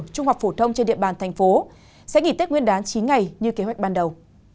trung học phổ thông trên địa bàn thành phố sẽ nghỉ tết nguyên đán chín ngày như kế hoạch ban đầu